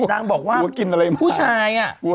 นางบอกว่าผู้ชายอ่ะ